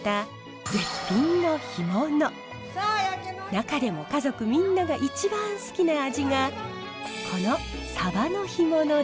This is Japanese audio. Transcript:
中でも家族みんなが一番好きな味がこのサバの干物です。